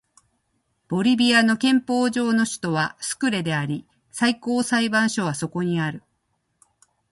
ボリビアの憲法上の首都はスクレであり最高裁判所はそこにある